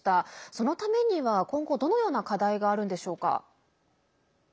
そのためには今後どのような課題があるんでしょうか？